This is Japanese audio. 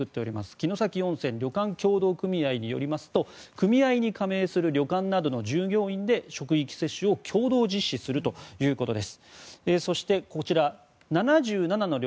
城崎温泉旅館協同組合によりますと組合に加盟する旅館などの従業員で職域接種を共同実施するということです。